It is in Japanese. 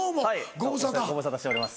ご無沙汰しております。